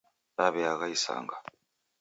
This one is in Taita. Daweagha isanga